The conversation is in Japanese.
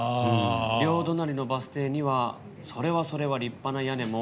両隣のバス停にはそれはそれは立派な屋根も。